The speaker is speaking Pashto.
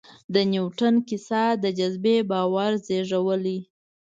د نیوټن کیسه د جاذبې باور زېږولی.